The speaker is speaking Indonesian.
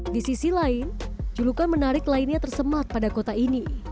di sisi lain julukan menarik lainnya tersemat pada kota ini